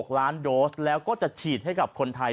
๖ล้านโดสแล้วก็จะฉีดให้กับคนไทย